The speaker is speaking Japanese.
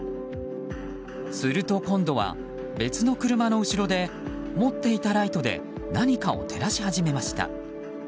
すると今度は、別の車の後ろで持っていたライトで何かを照らし始めました。